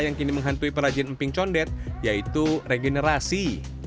yang kini menghantui perajin emping condet yaitu regenerasi